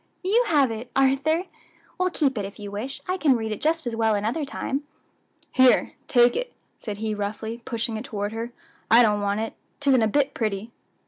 you have it, Arthur! well, keep it, if you wish; I can read it just as well another time." "Here, take it," said he roughly, pushing it toward her; "I don't want it; 'tisn't a bit pretty."